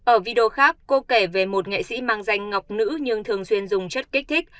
ở video khác cô kể về một nghệ sĩ mang danh ngọc nữ nhưng thường xuyên dùng chất kích thích